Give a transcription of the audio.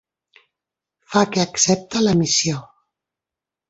Fa que accepta la missió.